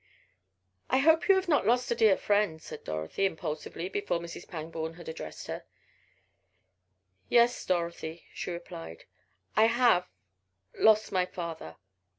"I hope you have not lost a dear friend," said Dorothy, impulsively, before Mrs. Pangborn had addressed her. "Yes, Dorothy," she replied, "I have lost my father."